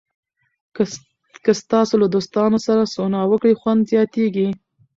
که تاسو له دوستانو سره سونا وکړئ، خوند زیاتېږي.